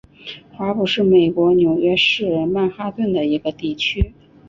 华埠是美国纽约市曼哈顿的一个地区。